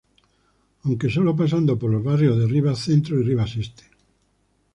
Aunque solo pasando por los barrios de Rivas Centro y Rivas Este.